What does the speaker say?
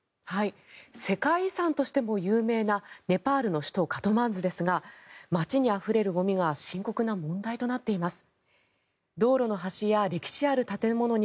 世界遺産としても有名なネパールの首都カトマンズですが街にあふれるゴミが深刻な問題となっています。